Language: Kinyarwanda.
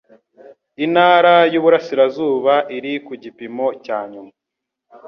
intara y Uburasirazuba iri ku gipimo cya nyuma